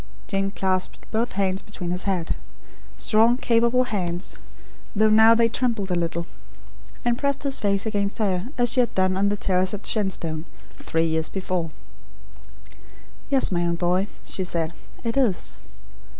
Jane clasped both hands behind his head strong, capable hands, though now they trembled a little and pressed his face against her, as she had done on the terrace at Shenstone, three years before. "Yes, my own boy," she said; "it is."